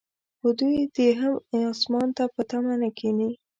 خو دوی دې هم اسمان ته په تمه نه کښیني.